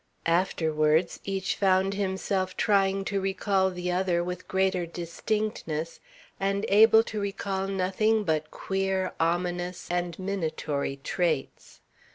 Afterwards each found himself trying to recall the other with greater distinctness and able to recall nothing but queer, ominous and minatory traits.